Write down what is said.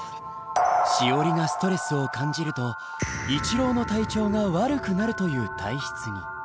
しおりがストレスを感じると一郎の体調が悪くなるという体質に。